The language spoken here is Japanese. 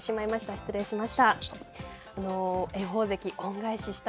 失礼しました。